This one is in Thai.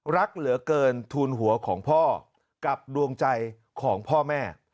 รักเหลือเกินทูลหัวของพ่อกับดวงใจของพ่อแม่